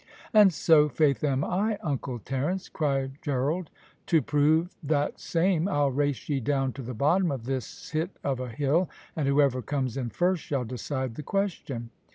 "And so, faith, am I, Uncle Terence," cried Gerald; "to prove that same I'll race ye down to the bottom of this hit of a hill, and whoever comes in first shall decide the question.